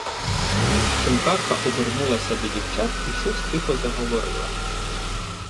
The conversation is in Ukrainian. Шинкарка обернулася до дівчат і щось тихо заговорила.